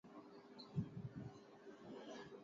ٻیر تے چڑھے کوں ݙو ݙو نظردن